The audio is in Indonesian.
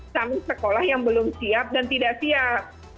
sama sekolah yang belum siap dan tidak siap